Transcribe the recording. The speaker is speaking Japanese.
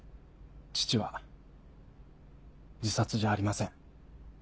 父は自殺じゃありません。